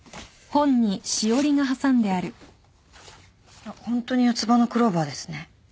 あっホントに四つ葉のクローバーですね。